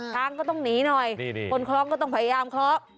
ช้างก็ต้องหนีหน่อยคนคล้องก็ต้องพยายามคล้อง